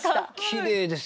きれいですよね